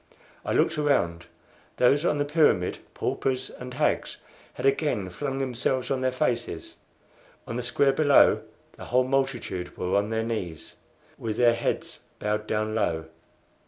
I looked around. Those on the pyramid paupers and hags had again flung themselves on their faces. On the square below the whole multitude were on their knees, with their heads bowed down low.